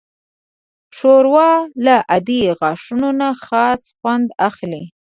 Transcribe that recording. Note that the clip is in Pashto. ښوروا له عادي غوښو نه خاص خوند اخلي.